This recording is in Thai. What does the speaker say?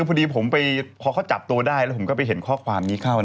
พอดีผมไปพอเขาจับตัวได้แล้วผมก็ไปเห็นข้อความนี้เข้า